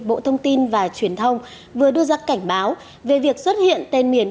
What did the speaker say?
bộ thông tin và truyền thông vừa đưa ra cảnh báo về việc xuất hiện tên miền